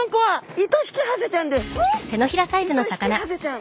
イトヒキハゼちゃん。